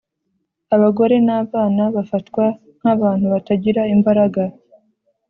abagore nabana bafatwa nkabantu batagira imbaraga